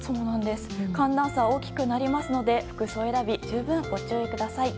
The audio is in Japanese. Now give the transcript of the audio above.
寒暖差が大きくなりますので服装選び十分ご注意ください。